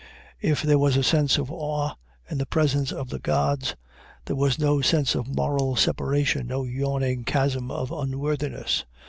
If there was a sense of awe in the presence of the gods, there was no sense of moral separation, no yawning chasm of unworthiness.